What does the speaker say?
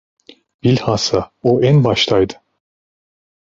Bilhassa o en baştaydı.